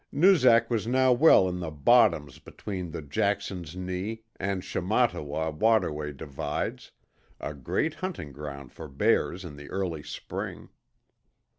Noozak was now well in the "bottoms" between the Jackson's Knee and Shamattawa waterway divides, a great hunting ground for bears in the early spring.